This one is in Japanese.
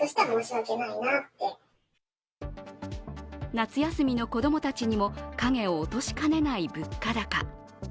夏休みの子供たちにも影を落としかねない物価高。